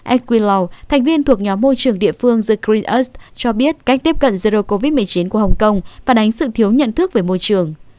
ed quillow thành viên thuộc nhóm môi trường địa phương the green earth cho biết cách tiếp cận zero covid một mươi chín của hồng kông và đánh sự thiếu nhận thức về môi trường